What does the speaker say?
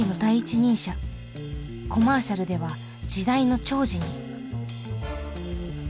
コマーシャルでは時代の寵児に。